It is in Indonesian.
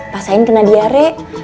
pasain kena diare